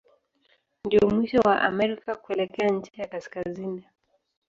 Ndio mwisho wa Amerika kuelekea ncha ya kaskazini.